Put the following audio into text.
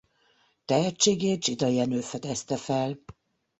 Tehetségét Dsida Jenő fedezte fel.